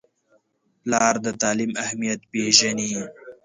پلار د تعلیم اهمیت پیژني.